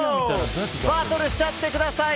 バトルしちゃってください。